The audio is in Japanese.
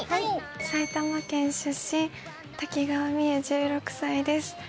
埼玉県出身滝川みう１６歳です。